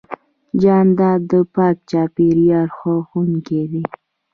جانداد د پاک چاپېریال خوښوونکی دی.